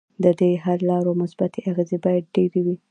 ددې حل لارو مثبتې اغیزې باید ډیرې وي.